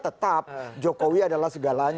tetap jokowi adalah segalanya